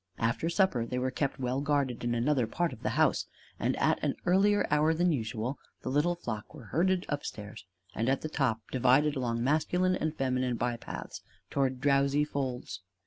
After supper they were kept well guarded in another part of the house; and at an earlier hour than usual the little flock were herded up stairs and at the top divided along masculine and feminine by paths toward drowsy folds.